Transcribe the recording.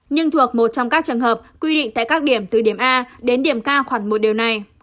nhưng thuộc một trong các trường hợp quy định tại các điểm từ điểm a đến điểm k khoảng một điều này